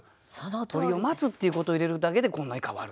「鳥を待つ」っていうことを入れるだけでこんなに変わる。